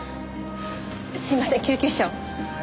すいません救急車を。